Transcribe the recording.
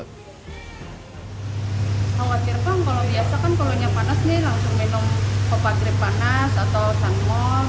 kalau di jepang kalau biasa kan kalau yang panas nih langsung minum obat sirup panas atau sanmol